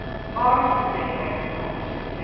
Morris's Essay was published in 1744.